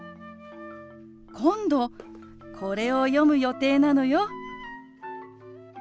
今度これを読む予定なのよ。